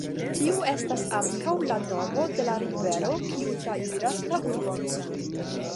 Tiu estas ankaŭ la nomo de la rivero kiu trairas la urbon.